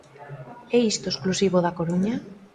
É isto exclusivo da Coruña?